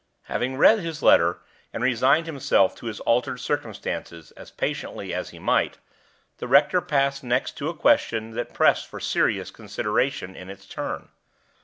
Having read his letter, and resigned himself to his altered circumstances as patiently as he might, the rector passed next to a question that pressed for serious consideration in its turn.